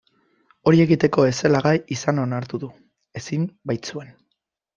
Hori egiteko ez zela gai izan onartu du, ezin baitzuen.